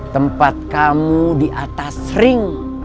tempat kamu di atas ring